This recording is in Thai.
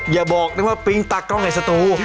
อย่าบอกนึกว่าปิ๊งตากล้องในสตู